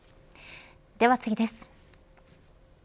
では次です。